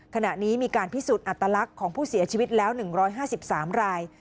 ขณะนี้มีการพิสูจน์อัตลักษณ์ของผู้เสียชีวิตแล้ว๑๕๓ราย